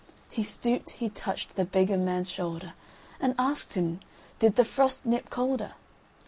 He stooped, he touched the beggar man's shoulder; He asked him did the frost nip colder?